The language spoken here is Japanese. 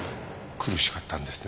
苦しかったんですね